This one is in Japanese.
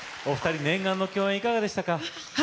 お二人、念願の共演いかがでしたか？